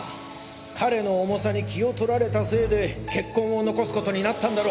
彼の重さに気を取られたせいで血痕を残すことになったんだろ。